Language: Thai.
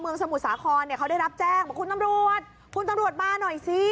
สมุทรสาครเนี่ยเขาได้รับแจ้งบอกคุณตำรวจคุณตำรวจมาหน่อยสิ